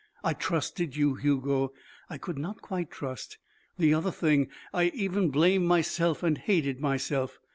I trusted you, Hugo. I could not quite trust the other thing. I've even blamed myself and hated myself."